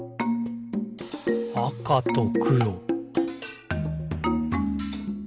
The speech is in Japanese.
「あかとくろ」